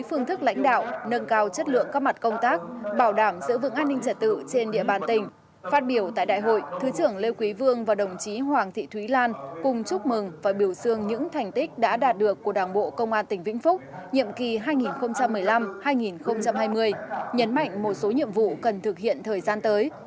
phát biểu tại đại hội thứ trưởng lê quý vương và đồng chí hoàng thị thúy lan cùng chúc mừng và biểu xương những thành tích đã đạt được của đảng bộ công an tỉnh vĩnh phúc nhiệm kỳ hai nghìn một mươi năm hai nghìn hai mươi nhấn mạnh một số nhiệm vụ cần thực hiện thời gian tới